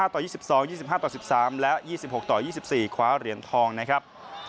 ต่อ๒๒๒๕ต่อ๑๓และ๒๖ต่อ๒๔คว้าเหรียญทองนะครับ